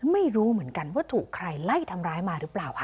ไม่รู้เหมือนกันว่าถูกใครไล่ทำร้ายมาหรือเปล่าค่ะ